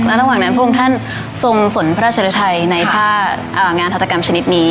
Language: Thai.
ระหว่างนั้นพระองค์ท่านทรงสนพระราชฤทัยในผ้างานธัตกรรมชนิดนี้